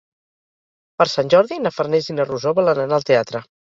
Per Sant Jordi na Farners i na Rosó volen anar al teatre.